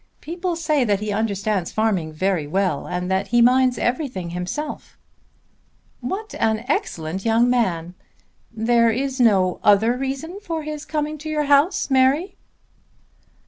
People say that he understands farming very well and that he minds everything himself." "What an excellent young man! There is no other reason for his coming to your house, Mary?"